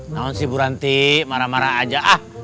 nanti buranti marah marah aja